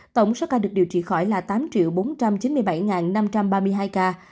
tổng số ca được điều trị khỏi là tám bốn trăm chín mươi bảy năm trăm ba mươi hai ca